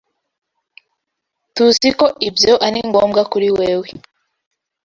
TUZI ko ibyo ari ngombwa kuri wewe.